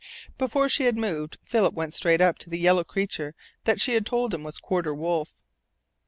Before she had moved, Philip went straight up to the yellow creature that she had told him was a quarter wolf.